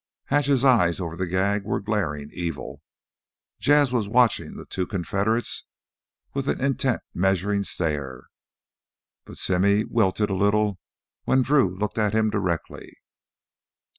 Hatch's eyes, over the gag, were glaring evil; Jas' was watching the two Confederates with an intent measuring stare; but Simmy wilted a little when Drew looked at him directly.